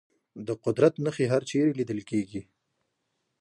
د قدرت نښې هرچېرې لیدل کېږي.